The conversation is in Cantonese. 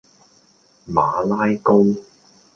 馬拉糕